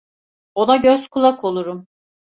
Ona göz kulak olurum.